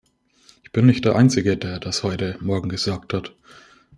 Ich bin nicht der einzige, der das heute morgen gesagt hat.